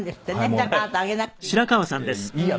だからあなたあげなくていいのよ。